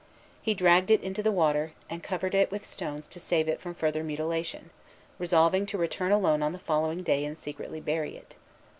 He dragged it into the water, and covered it with stones to save it from further mutilation, resolving to return alone on the following day and secretly bury it.